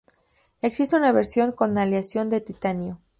Existe una versión con aleación de titanio.